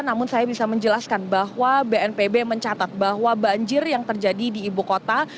namun saya bisa menjelaskan bahwa bnpb mencatat bahwa banjir yang terjadi di ibu kota